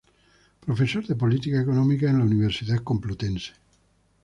Profesor de Política Económica en la Universidad Complutense.